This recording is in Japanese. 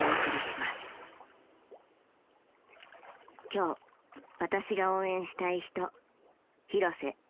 今日私が応援したい人。